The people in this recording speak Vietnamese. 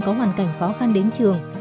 có hoàn cảnh khó khăn đến trường